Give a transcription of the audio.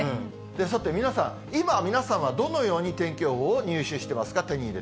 さて、皆さん、今、皆さんはどのように天気予報を入手してますか？